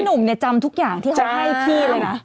หนุ่มเนี่ยจำทุกอย่างที่เขาให้พี่เลยนะ